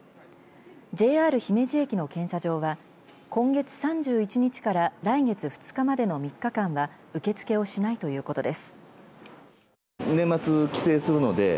ＪＲ姫路駅の検査場は今月３１日から来月２日までの３日間は受け付けをしないということです。